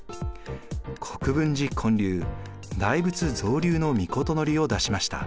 国分寺建立大仏造立の詔を出しました。